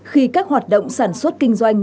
khi các hoạt động sản xuất kinh doanh